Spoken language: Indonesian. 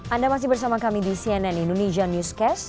anda masih bersama kami di cnn indonesia newscast